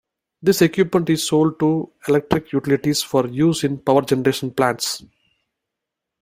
This equipment is sold to electric utilities for use in power generation plants.